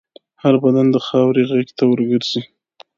هر بدن د خاورې غېږ ته ورګرځي.